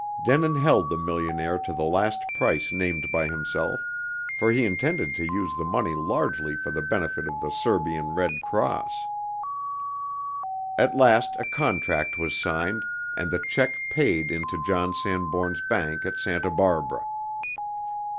Denin held the millionaire to the last price named by himself, for he intended to use the money largely for the benefit of the Serbian Red Cross. At last a contract was signed, and the check paid into John Sanbourne's bank at Santa Barbara.